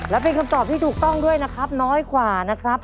และเป็นคำตอบที่ถูกต้องด้วยนะครับน้อยกว่านะครับ